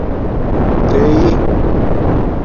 تیئئ